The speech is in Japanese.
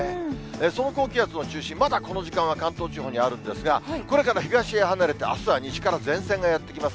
その高気圧の中心、まだこの時間は関東地方にあるんですが、これから東へ離れて、あすは西から前線がやって来ます。